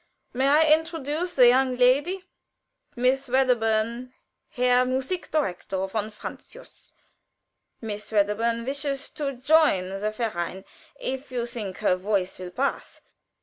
"May I introduce the young lady? Miss Wedderburn, Herr Musik Direktor von Francius. Miss Wedderburn wishes to join the verein, if you think her voice will pass.